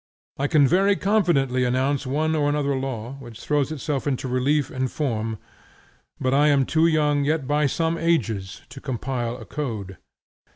I can very confidently announce one or another law, which throws itself into relief and form, but I am too young yet by some ages to compile a code.